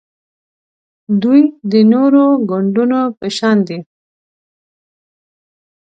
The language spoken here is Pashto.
دوی د نورو ګوندونو په شان دي